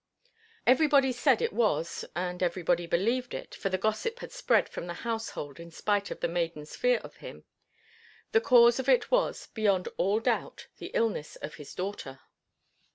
Everybody said it was (and everybody believed it; for the gossip had spread from the household in spite of the maidens' fear of him) the cause of it was, beyond all doubt, the illness of his daughter.